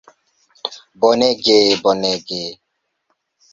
Bonege... bonege...